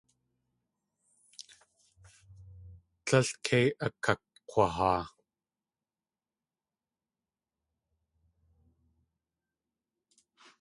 Tlél kei akakg̲wahaa.